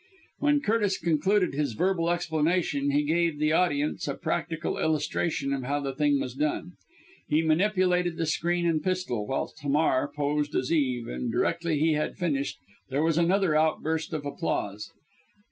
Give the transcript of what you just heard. When Curtis concluded his verbal explanation he gave the audience a practical illustration of how the thing was done; he manipulated the screen and pistol, whilst Hamar posed as Eve, and directly he had finished there was another outburst of applause.